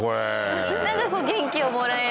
みんなが元気をもらえる。